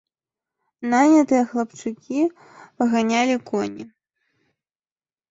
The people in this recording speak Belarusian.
Нанятыя хлапчукі паганялі коні.